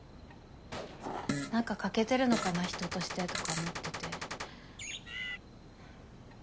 何か欠けてるのかな人としてとか思ってて。